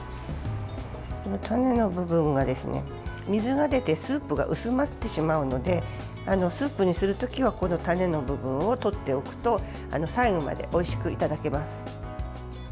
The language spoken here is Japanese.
種の部分が水が出てスープが薄まってしまうのでスープにする時はこの種の部分をとっておくと最後までおいしくいただけます。